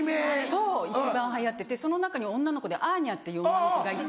そう一番流行っててその中に女の子でアーニャっていう女の子がいて。